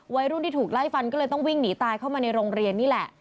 วัยรุ่นที่ถูกไล่ฟันก็เลยต้องวิ่งหนีตายเข้ามาในโรงเรียนนี่แหละ